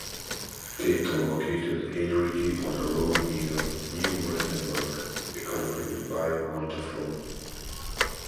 Keitel located Heinrici on a road near Neubrandenburg, accompanied by Manteuffel.